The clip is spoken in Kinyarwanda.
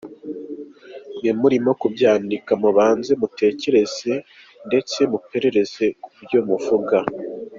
Mwe murimo kubyandika mubanze mutekereze ndetse muperereze kubyo muvuga.